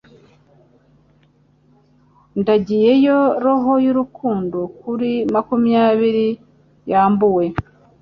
Ndagiyeyo roho y'urukundo kuri makumyabiri yambuwe